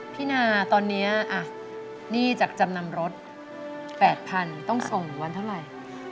พี่นาตอนนี้หนี้จากจำนำรถ๘๐๐๐ต้องส่งวันเท่าไหร่